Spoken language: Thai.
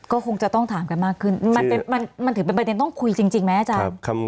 ก็คงจะต้องถามกันมากขึ้นมันถึงเป็นประเด็นต้องคุยจริงไหมอาจารย์